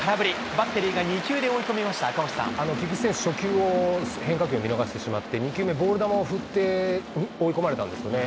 バッテリーが２球で追い込みまし菊池選手、初球を変化球を見逃してしまって、２球目、ボール球を振って、追い込まれたんですね。